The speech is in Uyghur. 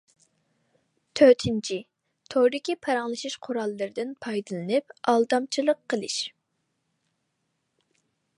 تۆتىنچى، توردىكى پاراڭلىشىش قوراللىرىدىن پايدىلىنىپ ئالدامچىلىق قىلىش.